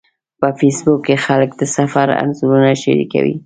په فېسبوک کې خلک د سفر انځورونه شریکوي